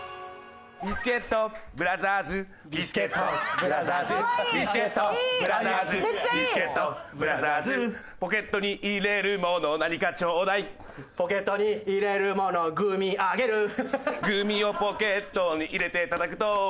「ビスケットブラザーズ」「ビスケットブラザーズ」「ビスケットブラザーズビスケットブラザーズ」「ポケットに入れるもの何かちょうだい」「ポケットに入れるものグミあげる」「グミをポケットに入れてたたくと」